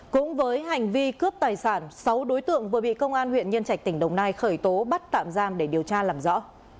cũng với hành vi cướp tài sản sáu đối tượng vừa bị công an huyện nhân trạch tỉnh đồng nai khởi tố bắt tạm giam để điều tra làm rõ